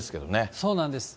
そうなんです。